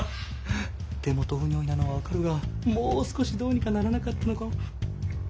手元不如意なのは分かるがもう少しどうにかならなかったのか？